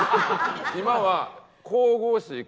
今は。